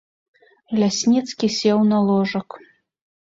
Лясніцкі сеў на ложак.